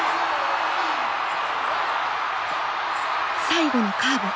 最後のカーブ。